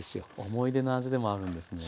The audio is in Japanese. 思い出の味でもあるんですね。